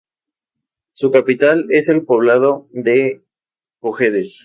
Su capital es el poblado de Cojedes.